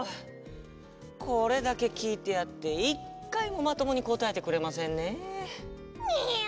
これだけきいてやって１かいもまともにこたえてくれませんねえ！にゅ。